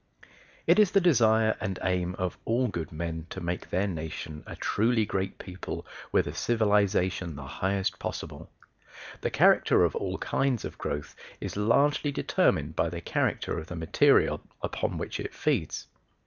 It is the desire and aim of all good men to make their nation a truly great people, with a civilization the highest possible. The character of all kinds of growth is largely determined by the character of the material upon which it feeds.